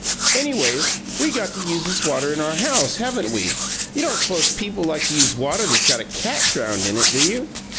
Anyways, we got to use this water in our house, haven't we? You don't s'pose people like to use water that's got a cat drowned in it, do you?